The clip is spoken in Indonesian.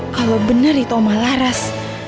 kalo bener itu oma laras